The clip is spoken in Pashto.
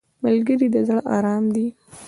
ملګری د زړه ارام دی